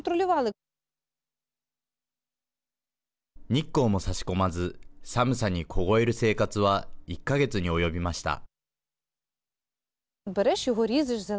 日光も差し込まず寒さに凍える生活は１か月に及びました。